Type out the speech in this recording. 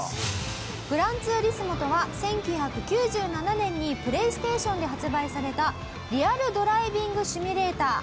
『グランツーリスモ』とは１９９７年にＰｌａｙＳｔａｔｉｏｎで発売されたリアルドライビングシミュレーター。